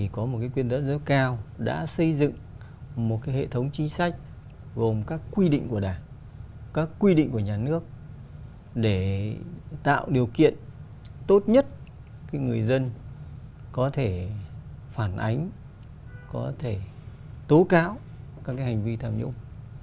có một quyết tâm rất cao đã xây dựng một hệ thống chính sách gồm các quy định của đảng các quy định của nhà nước để tạo điều kiện tốt nhất người dân có thể phản ánh có thể tố cáo các hành vi tham nhũng